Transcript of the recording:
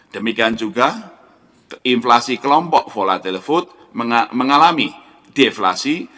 demikian juga inflasi kelompok volatile food mengalami deflasi